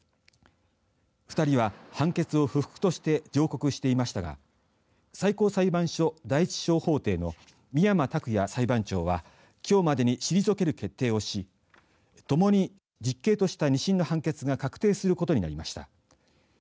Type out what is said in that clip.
２人は判決を不服として上告していましたが最高裁判所第１小法廷の深山卓也裁判長はきょうまでに退ける決定をしともに実刑とした２審の判決が確定することになりました。